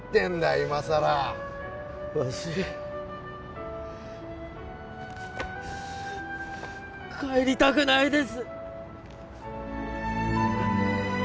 いまさらわし帰りたくないです！